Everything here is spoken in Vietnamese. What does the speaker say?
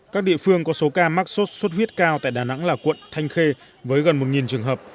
các địa phương có số ca mắc sốt xuất huyết cao tại đà nẵng là quận thanh khê với gần một trường hợp